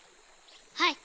はい。